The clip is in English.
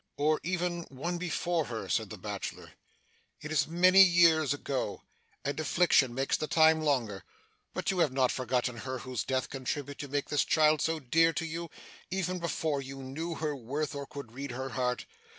'Or even one before her,' said the bachelor. 'It is many years ago, and affliction makes the time longer, but you have not forgotten her whose death contributed to make this child so dear to you, even before you knew her worth or could read her heart?